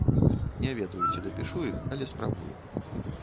Не ведаю, ці дапішу іх, але спрабую.